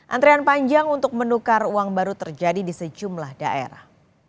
antrian panjang untuk menukar uang baru terjadi di sejumlah daerah